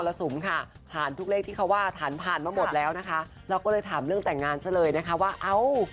น้ำตาญเล่าไอฝ่างไล่เจียงไงให้เพี้ยง